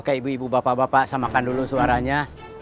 ke ibu ibu bapak bapak samakan dulu suaranya